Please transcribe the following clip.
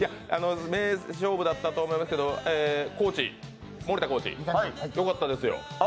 名勝負だったと思いますけど、森田コーチよかったですよ。